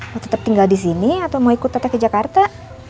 mau tetep tinggal disini atau mau ikut teh teh ke jakarta